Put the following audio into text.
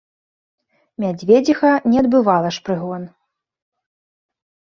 Мядзведзіха не адбывала ж прыгон.